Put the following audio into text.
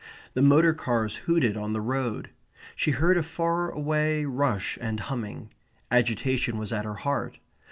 The motor cars hooted on the road. She heard a far away rush and humming. Agitation was at her heart.